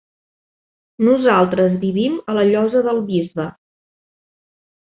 Nosaltres vivim a la Llosa del Bisbe.